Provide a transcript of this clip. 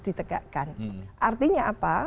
ditegakkan artinya apa